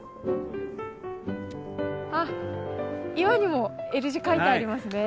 あっ岩にもＬ字書いてありますね。